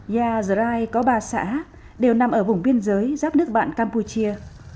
yazirai có ba xã đều nằm ở vùng biên giới giáp nước bạn campuchia